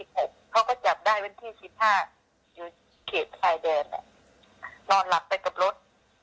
เค้าก็จับได้วันที่๑๕อยู่เขตไทดานอะนอนหลังไปกับรถ